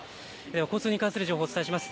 交通に関する情報、お伝えします。